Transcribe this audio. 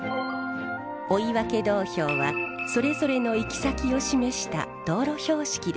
追分道標はそれぞれの行き先を示した道路標識でした。